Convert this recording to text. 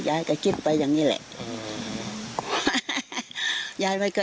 ยายก็คิดไปอย่างนี้แหละยายไม่เคยเห็น